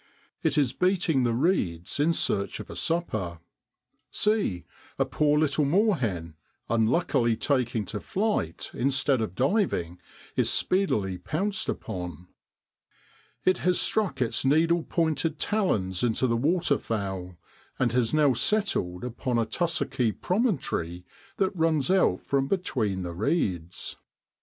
It is beating the reeds in search of a supper. See ! a poor little moorhen, unluckily taking to flight instead of diving, is speedily pounced upon. It has struck its needle pointed talons into the water fowl, and has now settled upon a tussocky promontory that runs out from between the reeds.